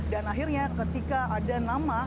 dan akhirnya ketika ada nama